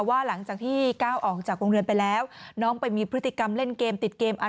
ฟังเสียงคุณแม่และก็น้องที่เสียชีวิตค่ะ